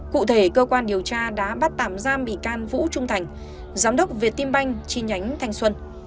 cụ thể cơ quan điều tra đã bắt tạm giam bị can vũ trung thành giám đốc việt tim banh chi nhánh thanh xuân